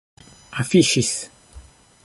afiŝis